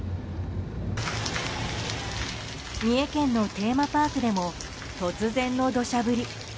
三重県のテーマパークでも突然の土砂降り。